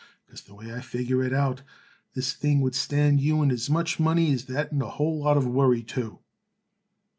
Because the way I figure it out, this thing would stand you in as much money as that and a whole lot of worry, too."